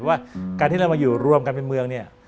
ว่าการที่เรามาอยู่รวมกันเป็นเมืองเนี่ย